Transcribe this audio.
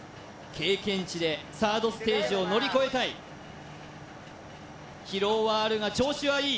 経験値でサードステージを乗り越えたい「疲労はあるが調子はいい」